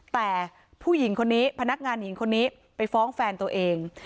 แต่ผู้หญิงคนนี้พนักงานหญิงคนนี้ไปฟ้องแฟนตัวเอง